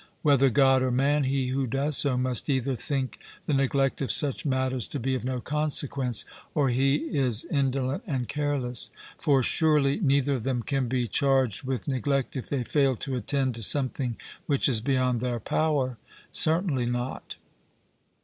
Whether God or man, he who does so, must either think the neglect of such matters to be of no consequence, or he is indolent and careless. For surely neither of them can be charged with neglect if they fail to attend to something which is beyond their power? 'Certainly not.'